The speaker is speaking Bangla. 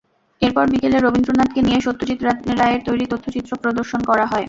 এরপর বিকেলে রবীন্দ্রনাথকে নিয়ে সত্যজিৎ রায়ের তৈরি তথ্যচিত্র প্রদর্শন করা হয়।